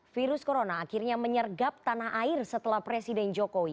virus corona akhirnya menyergap tanah air setelah presiden jokowi